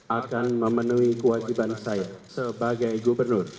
akan memenuhi kewajiban saya sebagai gubernur